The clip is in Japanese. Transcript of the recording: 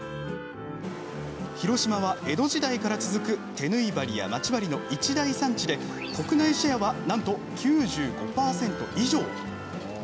広島は江戸時代から続く手縫い針や、まち針の一大産地で国内シェアは、なんと９５％以上。